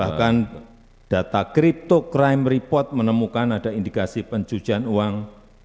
bahkan data crypto crime report menemukan ada indikasi pencucian uang